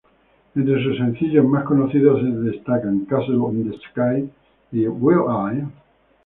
Entre sus sencillos más conocidos destacan ""Castles in the Sky"", ""Will I?